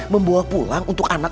membawa pulang untuk anak